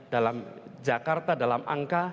dalam jakarta dalam angka